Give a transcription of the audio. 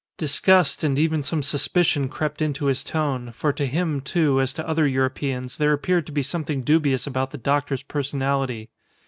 Disgust, and even some suspicion, crept into his tone, for to him, too, as to other Europeans, there appeared to be something dubious about the doctor's personality.